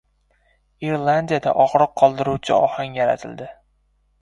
Irlandiyada og‘riq qoldiruvchi ohang yaratildi